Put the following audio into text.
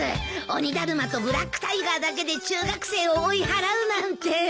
鬼ダルマとブラックタイガーだけで中学生を追い払うなんて。